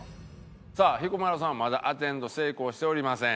さあ彦摩呂さんはまだアテンド成功しておりません。